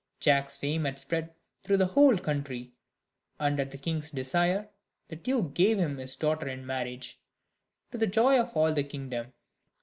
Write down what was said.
Jack's fame had spread through the whole country; and at the king's desire, the duke gave him his daughter in marriage, to the joy of all the kingdom.